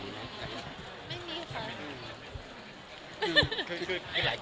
เป็นกล้องธีมข่า